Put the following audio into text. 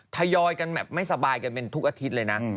ทยอยกันแบบไม่สบายกันเป็นทุกอาทิตย์เลยนะ